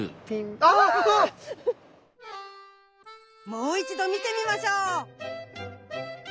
もう一度見てみましょう。